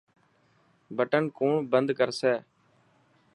بٽن ڪوڻ بندي ڪرسي.